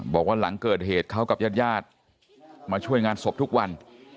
บอกว่าหลังเกิดเหตุเขากับญาติญาติมาช่วยงานศพทุกวัน